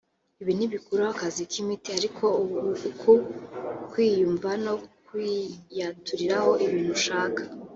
Ibi ntibikuraho akazi k’imiti ariko uku kwiyumva no kwiyaturiraho ibintu ushaka